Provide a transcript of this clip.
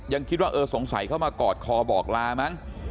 ยังคิดว่าเออสงสัยเข้ามากอดคอบอกลามั้ง